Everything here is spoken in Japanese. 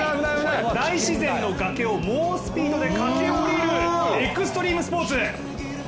大自然の崖を猛スピードで駆け下りる、エクストリームスポーツ。